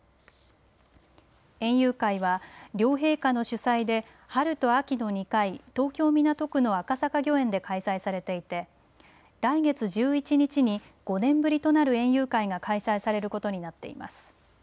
園遊会は両陛下の主催で春と秋の２回、東京港区の赤坂御苑で開催されていて来月１１日に５年ぶりとなる園遊会が開催されることになっています。